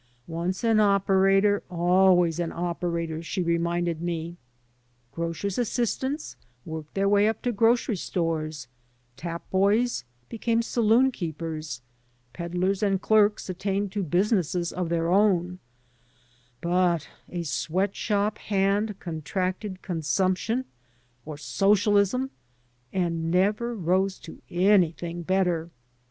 "Once an operator always an operator," she reminded me. Grocers* assistants worked their way up to grocery stores, tap boys became saloon keepers, peddlers and clerks attained to businesses of their own, but a sweat shop hand contracted consump tion or socialism and never rose to anything better.